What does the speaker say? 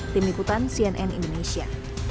tim liputan cnn indonesia